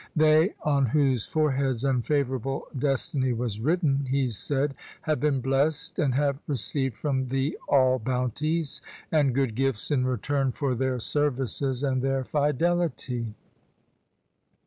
' They on whose fore heads unfavourable destiny was written,' he said, ' have been blessed and have received from thee all bounties and good gifts in return for their services and their fidelity.'